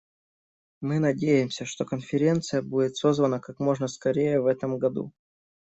Мы надеемся, что конференция будет созвана как можно скорее в этом году.